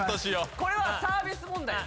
これはサービス問題です